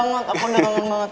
aku udah kangen banget